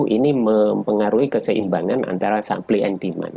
ini mempengaruhi keseimbangan antara supply and demand